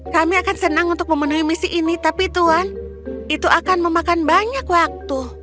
kami akan senang untuk memenuhi misi ini tapi tuhan itu akan memakan banyak waktu